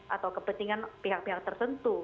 atau kepentingan pihak pihak tertentu